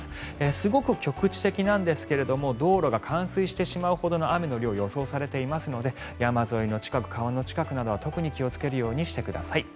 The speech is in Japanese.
すごく局地的なんですが道路が冠水してしまうほど雨の量が予想されていますので山沿いの近く、川の近くなどは特に気をつけるようにしてください。